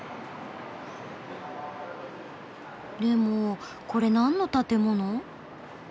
でもこれなんの建物？